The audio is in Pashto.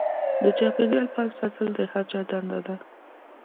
د چاپیریال پاک ساتل د هر چا دنده ده.